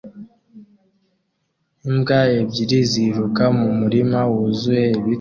Imbwa ebyiri ziruka mu murima wuzuye ibiti